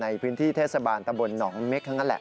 ในพื้นที่เทศบาลตะบลหนองเม็กทั้งนั้นแหละ